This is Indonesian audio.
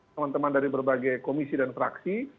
teman teman dari berbagai komisi dan fraksi